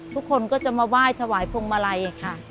ทุกคนก็จะมาไหว้ถวายพวงมาลัยค่ะ